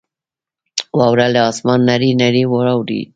واوره له اسمانه نرۍ نرۍ راورېږي.